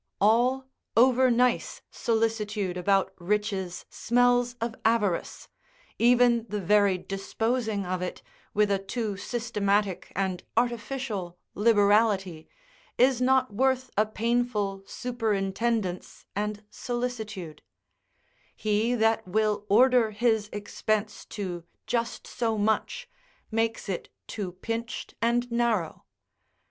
All over nice solicitude about riches smells of avarice: even the very disposing of it, with a too systematic and artificial liberality, is not worth a painful superintendence and solicitude: he, that will order his expense to just so much, makes it too pinched and narrow.